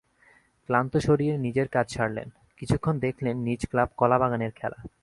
ক্লান্ত শরীরে নিজের কাজ সারলেন, কিছুক্ষণ দেখলেন নিজ ক্লাব কলাবাগানের খেলা।